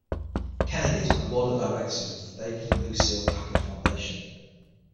Kennedy is on the board of directors of the David and Lucile Packard Foundation.